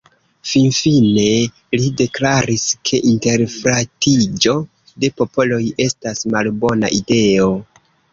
Finfine li deklaris, ke interfratiĝo de popoloj estas malbona ideo.